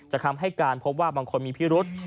คำให้การพบว่าบางคนมีพิรุษ